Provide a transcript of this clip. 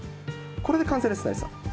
これで完成です。